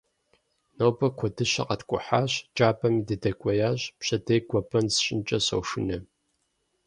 Нобэ куэдыщэ къэткӏухьащ, джабэми дыдэкӏуеящ, пщэдей гуэбэн сщӏынкӏэ сошынэ.